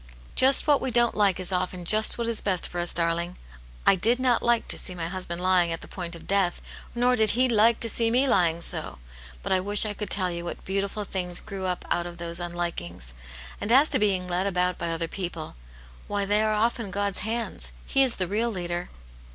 "Just what we don't like is often just what is best for us, darling. / did not like to see my hus band \ying at the point o£ de^XV^t^ot ^\^\nr.\^^ ..♦. 1 84 Aunt yatte's Hero. to see me lying so. But I wish I could tell you what beautiful things grew up out of those unlikings. And as to being led about by other people ; why, they are often God's hands. He is the real leader."